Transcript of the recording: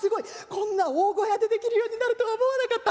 こんな大小屋でできるようになるとは思わなかった。